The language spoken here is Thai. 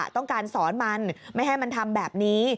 ต้องการสอนมันไม่ให้มันทำแบบนี้